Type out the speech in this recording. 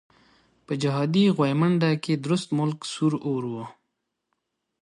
په جهادي غويمنډه کې درست ملک سور اور وو.